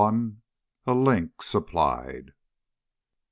XLI. A LINK SUPPLIED.